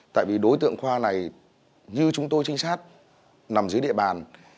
tại vì đối tượng khoa này như chúng tôi trinh sát nằm dưới địa bàn